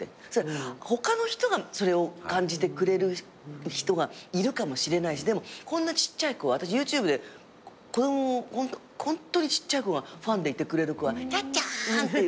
他の人がそれを感じてくれる人がいるかもしれないしでもこんなちっちゃい子私ＹｏｕＴｕｂｅで子供ホントにちっちゃい子がファンでいてくれる子が「さっちゃん」って。